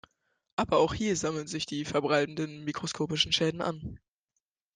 Aber auch hier sammeln sich die verbleibenden mikroskopischen Schäden an.